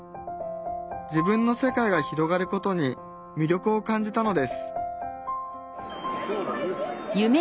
自分の世界が広がることに魅力を感じたのです